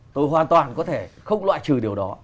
tôi hoàn toàn có thể không loại trừ điều đó